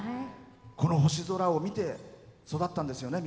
星空を見て育ったんですよね